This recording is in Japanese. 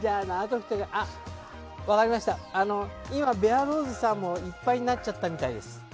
今、ＢａｒｅＲｏｓｅさんもいっぱいになっちゃったみたいです。